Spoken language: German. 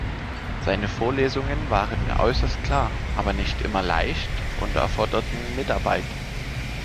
Seine Vorlesungen waren äußerst klar, aber nicht immer leicht und erforderten Mitarbeit.